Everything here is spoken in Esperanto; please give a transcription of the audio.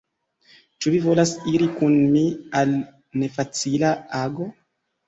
Ĉu vi volas iri kun mi al nefacila ago?